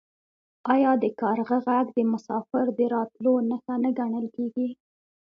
آیا د کارغه غږ د مسافر د راتلو نښه نه ګڼل کیږي؟